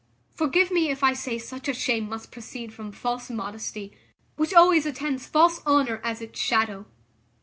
Forgive me if I say such a shame must proceed from false modesty, which always attends false honour as its shadow.